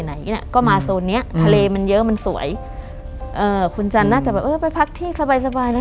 ไหนน่ะก็มาโซนเนี้ยทะเลมันเยอะมันสวยเอ่อคุณจันทร์น่าจะแบบเออไปพักที่สบายสบายนะ